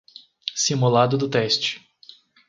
Simulado do teste